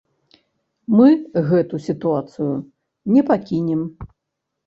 Мы гэту сітуацыю не пакінем!